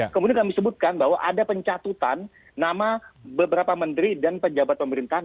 kemudian kami sebutkan bahwa ada pencatutan nama beberapa menteri dan pejabat pemerintahan